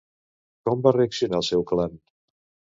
Com va reaccionar el seu clan?